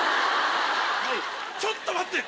ちょっと待って‼